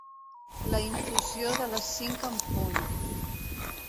La infusió de les cinc en punt.